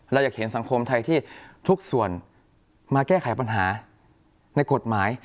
เราอยากเห็นสังคมไทยที่ทุกส่วนมาแก้ไขปัญหาในกฎหมาย